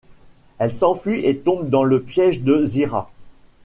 Elle s'enfuit et tombe dans le piège de Zira.